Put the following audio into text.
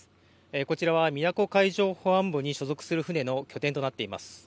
こちらは宮古海上保安部に所属する舟の拠点となっています。